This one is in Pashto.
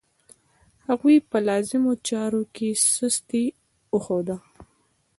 هغوی په لازمو چارو کې سستي وښوده.